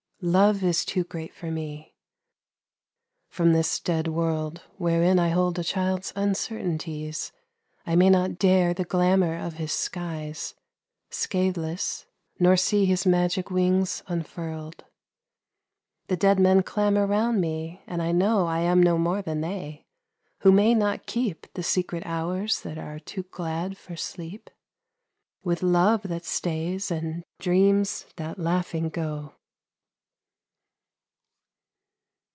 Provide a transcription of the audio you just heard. Love is too great for me, from this dead world Wherein I hold a child's uncertainties, I may not dare the glamour of his skies Scatheless, nor see his magic wings unfurled. 43 TO IRENE The dead men clamour round me and I know I am no more than they, who may not keep The secret hours that are too glad for sleep With love that stays and dreams that laughing go.